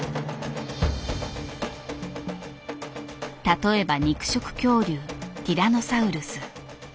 例えば肉食恐竜ティラノサウルス。